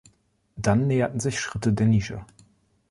Dann näherten sich Schritte der Nische.